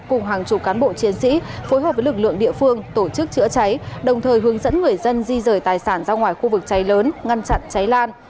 cùng hàng chục cán bộ chiến sĩ phối hợp với lực lượng địa phương tổ chức chữa cháy đồng thời hướng dẫn người dân di rời tài sản ra ngoài khu vực cháy lớn ngăn chặn cháy lan